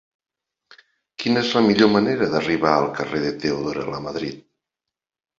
Quina és la millor manera d'arribar al carrer de Teodora Lamadrid?